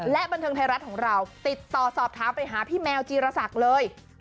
และบันเทิงไทยรัฐของเราติดต่อสอบถามไปหาพี่แมวจีรศักดิ์เลย